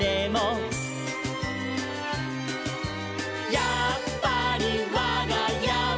「やっぱりわがやは」